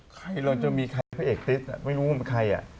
ใครเราจะมีใครเป็นพระเอกติ๊ดอ่ะไม่รู้ว่ามันใครอ่ะ